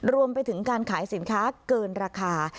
รวมไปถึงการขายสินค้าเกินราคา